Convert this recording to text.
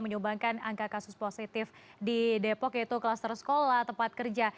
menyumbangkan angka kasus positif di depok yaitu klaster sekolah tempat kerja